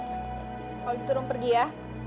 kalo gitu rum pergi ya